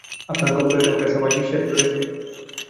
আপনার গল্প এখানকার সবাই বিশ্বাস করেছে?